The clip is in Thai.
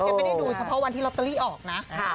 ไม่ได้ดูเฉพาะวันที่ลอตเตอรี่ออกนะ